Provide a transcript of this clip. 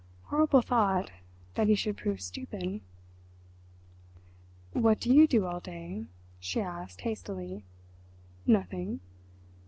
Horrible thought, that he should prove stupid. "What do you do all day?" she asked hastily. "Nothing."